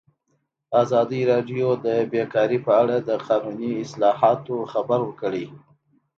ازادي راډیو د بیکاري په اړه د قانوني اصلاحاتو خبر ورکړی.